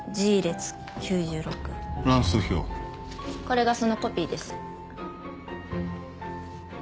これがそのコピーです。